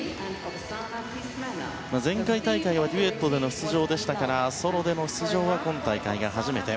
前回大会はデュエットでの出場でしたからソロでの出場は今大会が初めて。